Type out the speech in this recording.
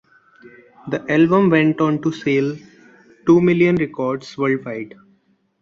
The album went on to sell two million records worldwide.